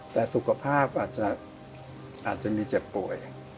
แต่สุขภาพอาจจะมีเจ็บป่วย